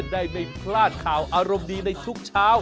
ได้ไม่พลาดข่าวอารมณ์ดีในทุกเช้า